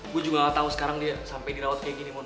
gue juga gak tau sekarang dia sampe dirawat kaya gini mon